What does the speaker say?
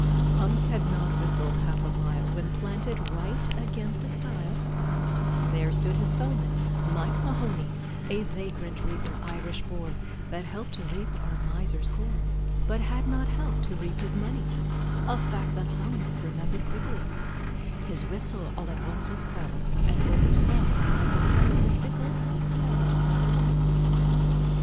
Hunks had not whistled half a mile, When, planted right against a stile, There stood his foeman, Mike Mahoney, A vagrant reaper, Irish born, That helped to reap our miser's corn, But had not helped to reap his money, A fact that Hunks remembered quickly; His whistle all at once was quelled, And when he saw how Michael held His sickle, he felt rather sickly.